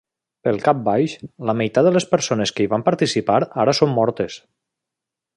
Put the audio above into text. Pel cap baix, la meitat de les persones que hi van participar ara són mortes.